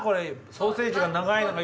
ソーセージが長いのが１本。